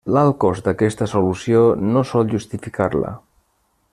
L'alt cost d'aquesta solució no sol justificar-la.